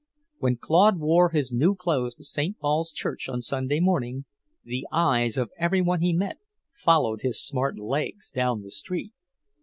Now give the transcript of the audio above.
When Claude wore his new clothes to St. Paul's church on Sunday morning, the eyes of every one he met followed his smart legs down the street.